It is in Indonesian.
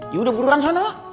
ya udah buruan sana